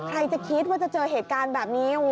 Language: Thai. ใครจะคิดว่าจะเจอเหตุการณ์แบบนี้